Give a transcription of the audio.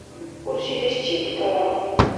Уршилис чи бикӀара?